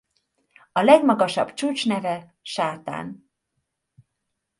A legmagasabb csúcs neve Sátán.